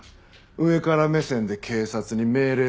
上から目線で警察に命令するだけ。